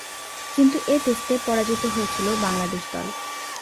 কিন্তু এ টেস্টে পরাজিত হয়েছিল বাংলাদেশ দল।